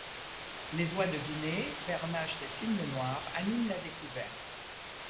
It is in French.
Les oies de guinée, bernaches et cygnes noirs animent la découverte.